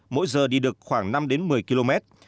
mỗi giờ đi được khoảng năm một mươi km